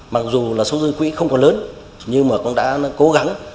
mặc dù là số dư quỹ không còn lớn nhưng mà cũng đã cố gắng